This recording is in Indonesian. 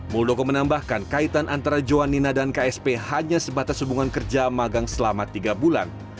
muldoko menambahkan kaitan antara johan nina dan ksp hanya sebatas hubungan kerja magang selama tiga bulan